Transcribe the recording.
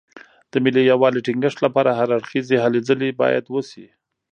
د ملي یووالي ټینګښت لپاره هر اړخیزې هلې ځلې باید وشي.